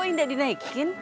kok indah dinaikin